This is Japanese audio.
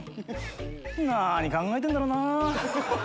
なに考えてんだろうな？